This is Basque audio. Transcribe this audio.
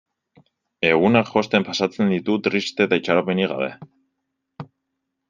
Egunak josten pasatzen ditu, triste eta itxaropenik gabe.